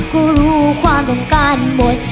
ก็รู้ความต้องการหมด